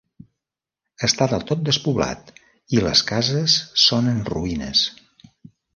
Està del tot despoblat, i les cases són en ruïnes.